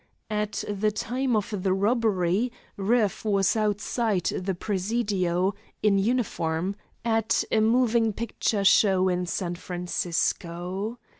At the time of the robbery Rueff was outside the Presidio, in uniform, at a moving picture show in San Francisco.